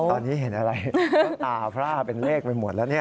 ตอนนี้เห็นอะไรน้ำตาพร่าเป็นเลขไปหมดแล้วเนี่ย